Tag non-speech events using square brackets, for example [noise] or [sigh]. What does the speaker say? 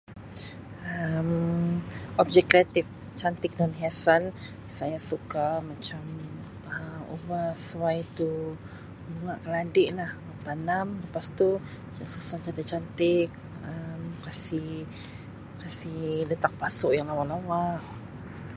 Um [unintelligible] cantik dan hiasan saya suka macam ubahsuai tu Bunga Keladi lah, tanam pastu kita susun cantik-cantik, Um kasih-kasih pasu yang lawa-lawa